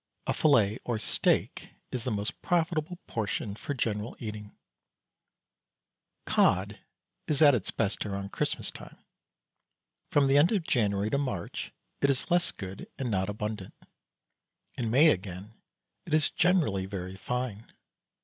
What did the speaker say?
A fillet or "steak" is the most profitable portion for general eating. Cod is at its best about Christmas time. From the end of January to March it is less good and not abundant; in May again it is generally very fine.